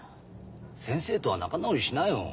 先生とは仲直りしなよ。